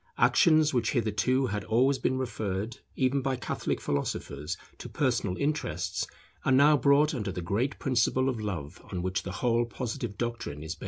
Actions which hitherto had always been referred even by Catholic philosophers to personal interests, are now brought under the great principle of Love on which the whole Positive doctrine is based.